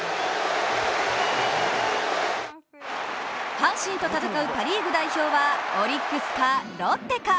阪神と戦うパ・リーグ代表はオリックスか、ロッテか。